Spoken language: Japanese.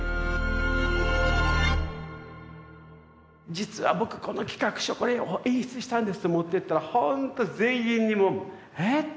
「実は僕この企画書これを演出したんです」って持ってったらほんと全員にもう「えっ？